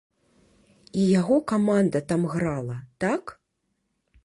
І яго каманда там грала, так?